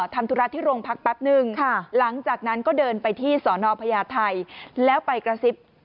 ทำธุระที่โรงพักแป๊บนึงหลังจากนั้นก็เดินไปที่สอนอพญาไทยแล้วไปกระซิบ